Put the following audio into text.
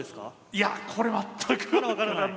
いやこれ全く分からない。